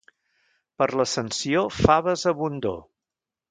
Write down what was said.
Per l'Ascensió, faves a abundor.